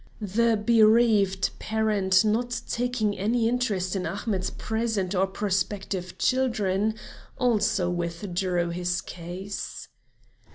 The bereaved parent not taking any interest in Ahmet's present or prospective children, also withdrew his case.